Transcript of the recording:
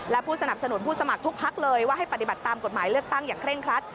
และผู้สนับสนุนผู้สมัครทุกพักเลยว่าให้ปฏิบัติตามกฎหมายเลือกตั้งอย่างเคร่งครัด